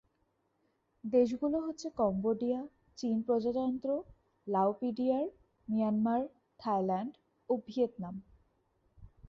দেশগুলো হচ্ছে কম্বোডিয়া, চীন প্রজাতন্ত্র, লাওপিডিআর, মিয়ানমার, থাইল্যান্ড ও ভিয়েতনাম।